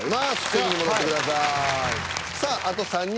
席に戻ってください。